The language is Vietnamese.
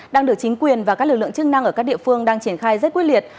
đang được chính quyền và các lực lượng chức năng ở các địa phương đang triển khai rất quyết liệt